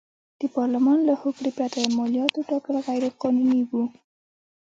د پارلمان له هوکړې پرته مالیاتو ټاکل غیر قانوني و.